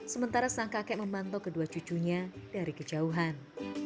sementara sang kakek memantau kedua cucunya dari kejauhan